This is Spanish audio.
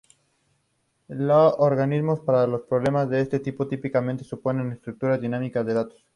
Los algoritmos para los problemas de este tipo típicamente supone estructuras dinámicas de datos.